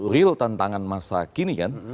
real tantangan masa kini kan